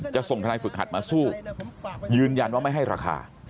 ส่งทนายฝึกหัดมาสู้ยืนยันว่าไม่ให้ราคา